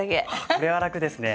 これは楽ですね。